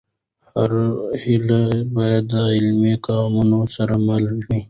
هره هېله باید د عملي ګامونو سره مل وي.